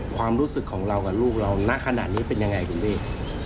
ความรู้สึกของเรากับลูกเราณขนาดนี้เป็นยังไงคุณพี่